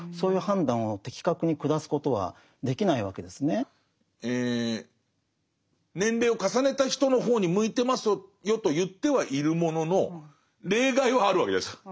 そうすると年齢を重ねた人の方に向いてますよと言ってはいるものの例外はあるわけじゃないですか